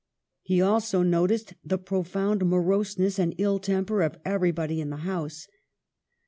He also noticed the profound moroseness and ill temper of everybody in the house.